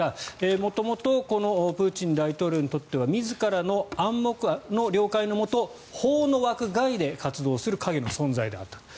元々、プーチン大統領にとっては自らの暗黙の了解のもと法の枠外で活動する影の存在であった。